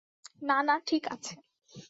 না না, ঠিক আছে!